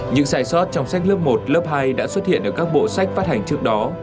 những sai sót trong sách lớp một lớp hai đã xuất hiện ở các bộ sách phát hành trước đó